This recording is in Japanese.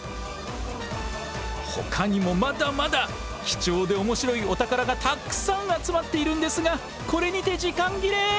ほかにもまだまだ貴重でおもしろいお宝がたくさん集まっているんですがこれにて時間切れ！